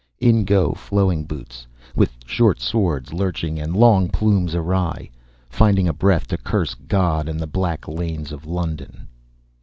In go Flowing Boots, with short swords lurching and long plumes awry, finding a breath to curse God and the black lanes of London.